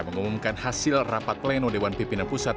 mengumumkan hasil rapat pleno dewan pimpinan pusat